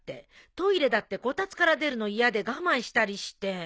トイレだってこたつから出るの嫌で我慢したりして。